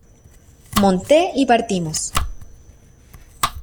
monté y partimos.